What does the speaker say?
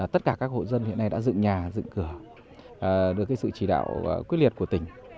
tất cả các hộ dân hiện nay đã dựng nhà dựng cửa được sự chỉ đạo quyết liệt của tỉnh